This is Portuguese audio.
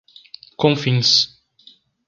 Confins